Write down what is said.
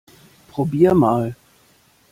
Probier mal!